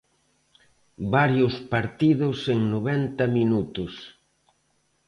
Varios partidos en noventa minutos.